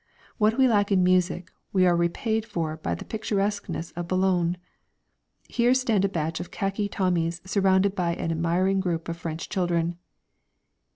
What we lack in music we are repaid for by the picturesqueness of Boulogne. Here stand a batch of khaki Tommies surrounded by an admiring group of French children.